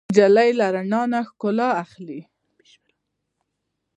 نجلۍ له رڼا نه ښکلا اخلي.